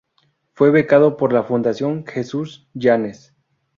Fue becado por la Fundación Jesús Yanes.